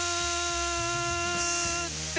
って